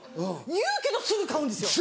言うけどすぐ買うんですよ。